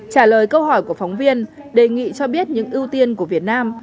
trả lời câu hỏi của phóng viên đề nghị cho biết những ưu tiên của việt nam